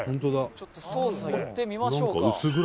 「ちょっと捜査行ってみましょうか」